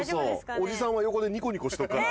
おじさんは横でニコニコしとくから。